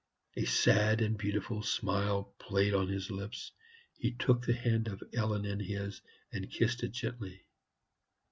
A sad and beautiful smile played on his lips; he took the hand of Ellen in his, and kissed it gently.